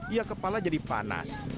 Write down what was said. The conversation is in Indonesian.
ia kepala jadi panas